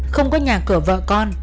không có nhà cửa vợ con